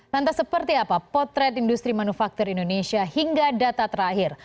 lantas seperti apa potret industri manufaktur indonesia hingga data terakhir